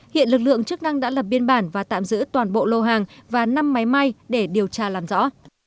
hiện lực lượng chức năng đã lập biên bản và tạm giữ toàn bộ lô hàng và năm máy may để điều tra làm rõ